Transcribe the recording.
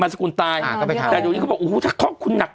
บรรทสกุลตายอ่าก็ไปเท่าแต่ตอนนี้เขาบอกโอ้โหถ้าเขาคุณหนัก